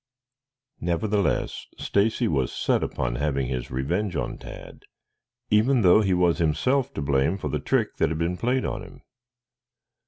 Nevertheless, Stacy was set upon having his revenge on Tad, even though he was himself to blame for the trick that had been played on him.